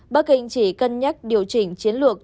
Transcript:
bắc kinh chỉ cân nhắc điều chỉnh chiến lược